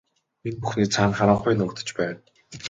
Энэ бүхний цаана харанхуй нуугдаж байна.